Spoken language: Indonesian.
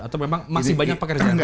atau memang masih banyak pekerjaan